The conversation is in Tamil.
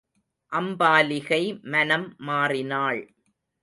அம்பாலிகை மனம் மாறினாள்.